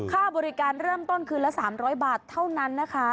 ค่าบริการเริ่มต้นคืนละ๓๐๐บาทเท่านั้นนะคะ